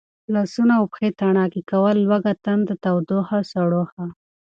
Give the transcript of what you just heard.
لاسونه او پښې تڼاکې کول، لوږه تنده، تودوخه، سړوښه،